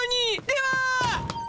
では。